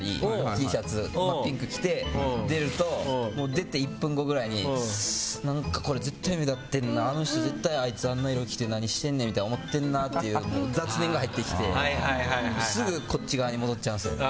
Ｔシャツ真っピンク着て出ると出て１分後ぐらいに何かこれ絶対目立ってるなあの人絶対あんな色の服着て何してんねんって思ってるなっていう雑念が入ってきてすぐこっち側に戻っちゃうんすよ。